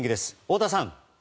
太田さん。